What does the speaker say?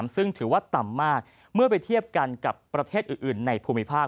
ซึ่งถือว่าต่ำมากเมื่อไปเทียบกันกับประเทศอื่นในภูมิภาค